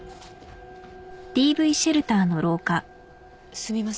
すみません。